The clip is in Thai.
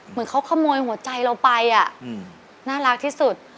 เหมือนเขาขโมยหัวใจเราไปน่ารักที่สุด